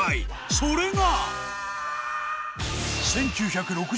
それが